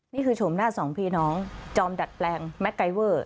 โฉมหน้าสองพี่น้องจอมดัดแปลงแม็กไกเวอร์